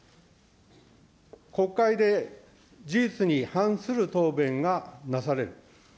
国会で事実に反する答弁がなされる。